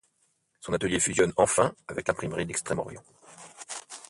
Son atelier fusionne enfin avec l'Imprimerie d'Extrême-Orient.